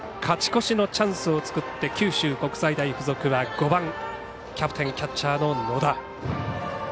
勝ち越しのチャンスを作って、九州国際大付属は５番キャプテンキャッチャーの野田。